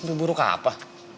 mimpi buruk apa